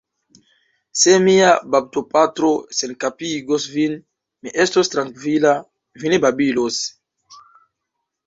Se mia baptopatro senkapigos vin, mi estos trankvila, vi ne babilos.